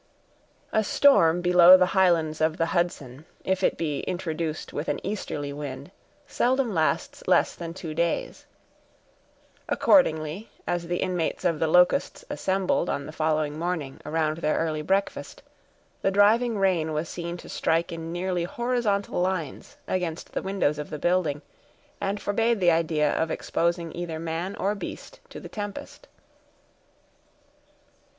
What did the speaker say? A storm below the highlands of the Hudson, if it be introduced with an easterly wind, seldom lasts less than two days. Accordingly, as the inmates of the Locusts assembled, on the following morning, around their early breakfast, the driving rain was seen to strike in nearly horizontal lines against the windows of the building, and forbade the idea of exposing either man or beast to the tempest.